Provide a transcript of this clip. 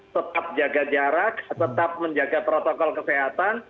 tetap jaga jarak tetap menjaga protokol kesehatan